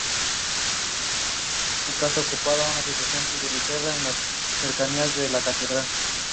El edificio es obra del arquitecto Francisco Hernández Rubio.